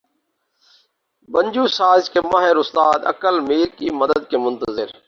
بنجو ساز کے ماہر استاد عقل میر کی مدد کے منتظر